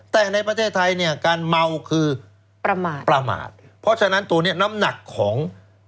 แต่ในประเทศไทยเนี่ยการเมาคือประมาทประมาทเพราะฉะนั้นตัวนี้น้ำหนักของ